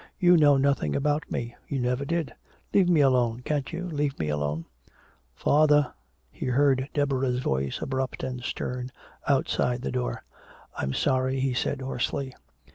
"You know nothing about me! You never did! Leave me alone, can't you leave me alone!" "Father?" He heard Deborah's voice, abrupt and stern, outside the door. "I'm sorry," he said hoarsely.